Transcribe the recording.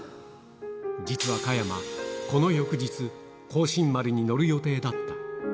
実は加山、この翌日、光進丸に乗る予定だった。